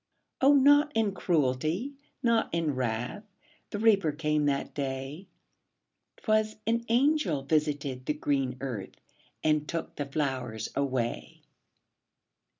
O, not in cruelty, not in wrath, The Reaper came that day; 'Twas an angel visited the green earth, And took the flowers away.